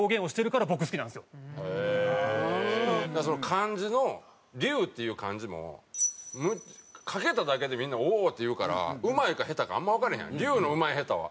漢字の「龍」っていう漢字も書けただけでみんな「おおー！」って言うからうまいか下手かあんまわからへんやん「龍」のうまい下手は。